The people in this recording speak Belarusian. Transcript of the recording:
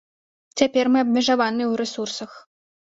Цяпер мы абмежаваныя ў рэсурсах.